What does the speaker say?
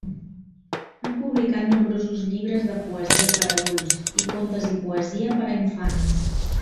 Ha publicat nombrosos llibres de poesia per adults, i contes i poesia per a infants.